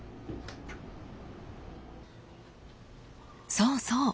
そうそう！